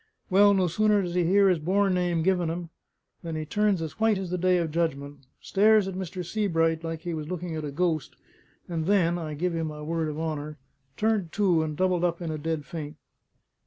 Well, no sooner does he 'ear his born name given him, than he turns as white as the Day of Judgment, stares at Mr. Sebright like he was looking at a ghost, and then (I give you my word of honour) turned to, and doubled up in a dead faint.